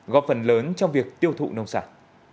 góp phần lớn trong việc tiêu thụ nông sản